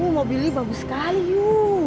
oh mobilnya bagus sekali you